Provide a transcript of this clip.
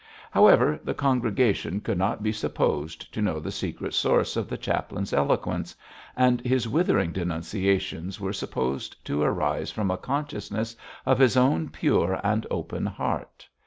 However, the congregation could not be supposed to know the secret source of the chaplain's eloquence, and his withering denunciations were supposed to arise from a consciousness of his own pure and open heart.